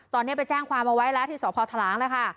ตอนนี้ไปแจ้งความเอาไว้แล้วที่สพทล้างแล้วค่ะ